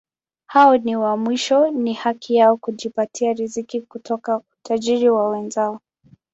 Hao wa mwisho ni haki yao kujipatia riziki kutoka utajiri wa wenzao.